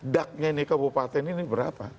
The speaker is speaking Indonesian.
dak nya ini kabupaten ini berapa